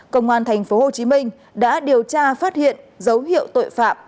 công an thành phố hồ chí minh đã điều tra phát hiện dấu hiệu tội phạm